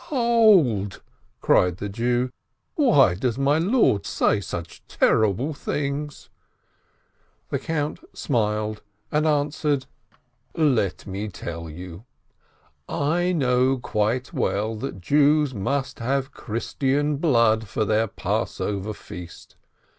"Hold !" cried the Jew. "Why does my lord say such terrible things ?" The Count smiled and answered : "Let me tell you ! I know quite well that Jews must have Christian blood for 582 A FOLK TALE their Passover feast.